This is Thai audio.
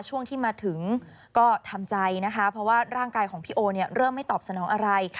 ช่วงที่มาถึงก็ทำใจนะคะล่างกายพี่โอเริ่มไม่ตอบสนองอะไร